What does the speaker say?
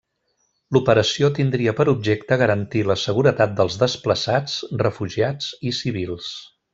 L'operació tindria per objecte garantir la seguretat dels desplaçats, refugiats i civils.